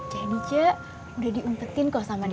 jadi cik udah diumpetin kok sama dede